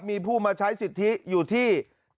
มีผู้มาใช้สิทธิอยู่ที่